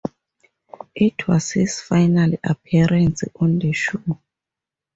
It was his final appearance on the show.